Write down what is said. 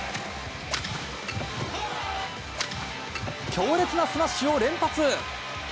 強烈なスマッシュを連発！